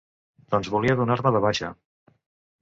Doncs volia donar-me de baixa.